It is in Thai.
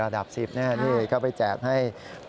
นายยกรัฐมนตรีพบกับทัพนักกีฬาที่กลับมาจากโอลิมปิก๒๐๑๖